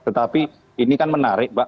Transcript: tetapi ini kan menarik mbak